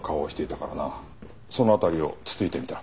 その辺りをつついてみた。